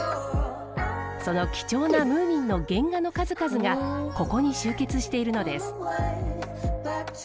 その貴重なムーミンの原画の数々がここに集結しているのです。